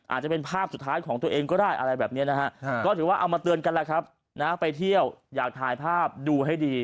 อาจจะเป็นภาพสุดท้ายของตัวเองก็ได้อะไรแบบนี้นะฮะ